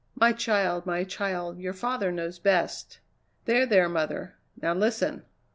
"My child, my child, your father knows best." "There! there mother. Now listen!"